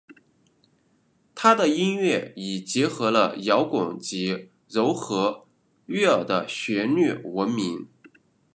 她的音乐以结合了摇滚及柔和悦耳的旋律闻名。